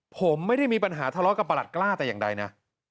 ผมไม่ได้มีปัญหาทะเลาะกับประหลัดกล้าแต่อย่างใดนะ